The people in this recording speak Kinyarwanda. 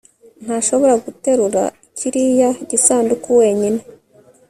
ntashobora guterura kiriya gisanduku wenyine